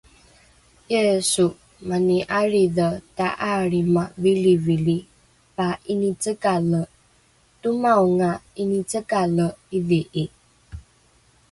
Yisu mani alridhe ta'aalrima vilivili pa'inicekale, tomaonga 'inicekale idhi'i